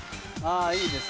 いいですね。